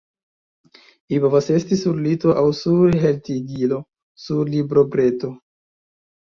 Ili povas esti sur lito aŭ sur hejtigilo, sur librobreto.